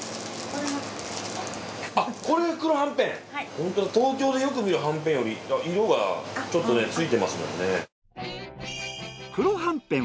本当だ東京でよく見るはんぺんより色がちょっとついてますもんね。